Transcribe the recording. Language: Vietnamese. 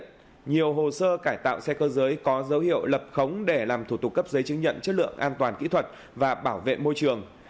trước đó nhiều hồ sơ cải tạo xe cơ giới có dấu hiệu lập khống để làm thủ tục cấp giấy chứng nhận chất lượng an toàn kỹ thuật và bảo vệ môi trường